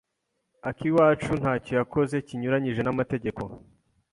Akiwacu ntacyo yakoze kinyuranyije n'amategeko.